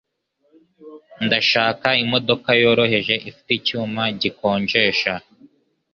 Ndashaka imodoka yoroheje ifite icyuma gikonjesha.